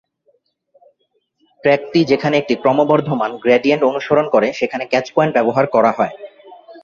ট্র্যাকটি যেখানে একটি ক্রমবর্ধমান গ্রেডিয়েন্ট অনুসরণ করে সেখানে ক্যাচ পয়েন্ট ব্যবহার করা হয়।